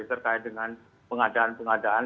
terkait dengan pengadaan pengadaan